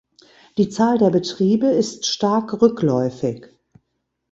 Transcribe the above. Die Zahl der Betriebe ist stark rückläufig.